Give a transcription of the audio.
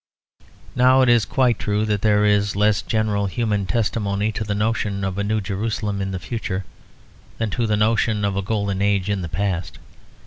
Now it is quite true that there is less general human testimony to the notion of a New Jerusalem in the future than to the notion of a Golden Age in the past.